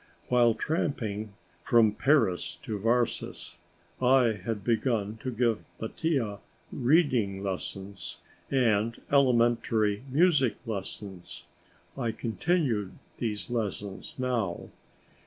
While tramping from Paris to Varses I had begun to give Mattia reading lessons and elementary music lessons. I continued, these lessons now.